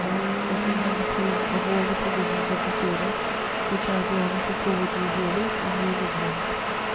"The King has approved of all the provisions of this Order, which I have the honour to forward you herewith in the original.